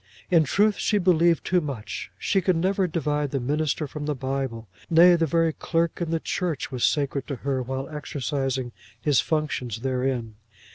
In truth she believed too much. She could never divide the minister from the Bible; nay, the very clerk in the church was sacred to her while exercising his functions therein.